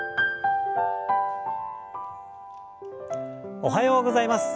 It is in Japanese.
おはようございます。